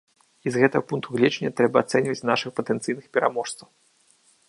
І з гэтага пункту гледжання трэба ацэньваць нашых патэнцыйных пераможцаў.